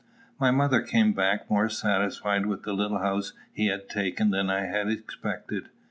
My mother came back more satisfied with the little house he had taken than I had expected.